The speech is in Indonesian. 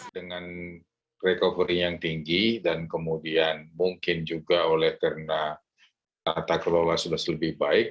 dengan recovery yang tinggi dan kemudian mungkin juga oleh karena tata kelola sudah lebih baik